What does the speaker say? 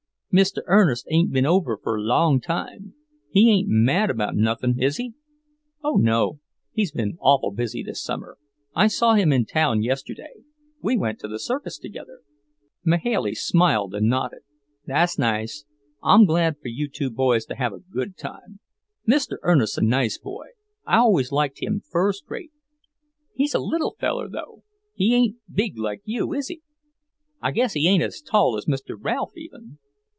"Mr. Ernest ain't been over for a long time. He ain't mad about nothin', is he?" "Oh, no! He's awful busy this summer. I saw him in town yesterday. We went to the circus together." Mahailey smiled and nodded. "That's nice. I'm glad for you two boys to have a good time. Mr. Ernest's a nice boy; I always liked him first rate. He's a little feller, though. He ain't big like you, is he? I guess he ain't as tall as Mr. Ralph, even."